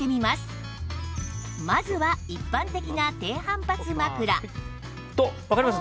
まずは一般的な低反発枕わかります？